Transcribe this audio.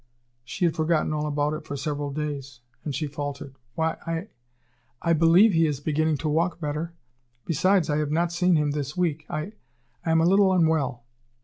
She had forgotten all about it for several days, and she faltered: "Why, I I believe he is beginning to walk better. Besides, I have not seen him this week. I I am a little unwell."